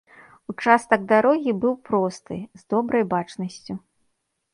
Участак дарогі быў просты, з добрай бачнасцю.